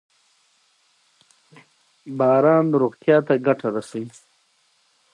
ازادي راډیو د تعلیمات د نجونو لپاره په اړه د استادانو شننې خپرې کړي.